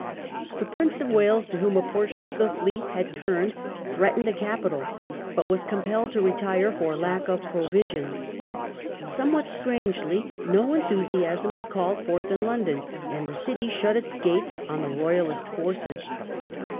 The Prince of Wales, to whom a portion of the fleet had turned, threatened the capital, but was compelled to retire for lack of provisions. Somewhat strangely, no enthusiasm was called forth in London, and the city shut its gates on the Royalist forces.